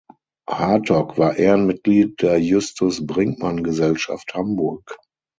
Hartog war Ehrenmitglied der Justus Brinckmann Gesellschaft Hamburg.